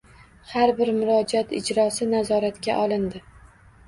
Har bir murojaat ijrosi nazoratga olindi